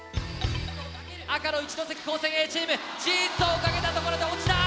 赤の一関高専Ａチームシーツをかけたところで落ちた！